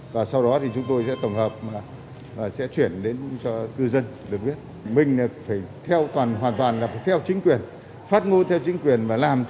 và sau đó thì chúng tôi sẽ tổng hợp và sẽ chuyển đến